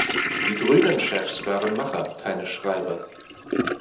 „Die Grünen-Chefs waren Macher, keine Schreiber.“